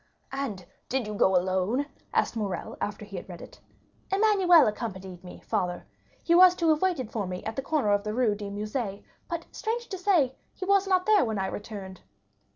"And did you go alone?" asked Morrel, after he had read it. "Emmanuel accompanied me, father. He was to have waited for me at the corner of the Rue du Musée, but, strange to say, he was not there when I returned."